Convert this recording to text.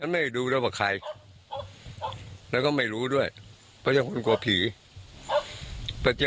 ไม่รู้แล้วว่าใครแล้วก็ไม่รู้ด้วยเพราะฉันกลัวผีแต่เจอ